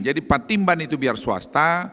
jadi patimban itu biar swasta